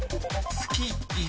月１？